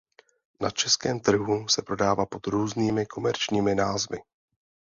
Na českém trhu se prodává pod různými komerčními názvy.